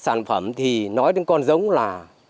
các sản phẩm thì nói đến con giống là